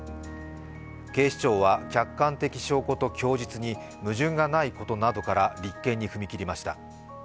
警視庁は客観的証拠と供述に矛盾がないことなどから立件に踏み切りました。